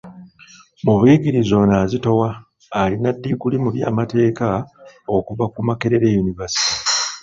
Mu buyigirize ono azitowa, alina ddiguli mu by’amateeka okuva ku Makerere University.